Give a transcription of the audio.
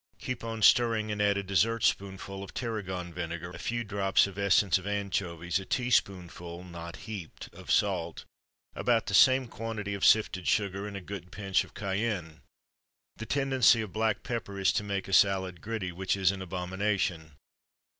Keep on stirring, and add a dessert spoonful of tarragon vinegar, a few drops of essence of anchovies, a teaspoonful (not heaped) of salt, about the same quantity of sifted sugar, and a good pinch of cayenne. [The tendency of black pepper is to make a salad gritty, which is an abomination.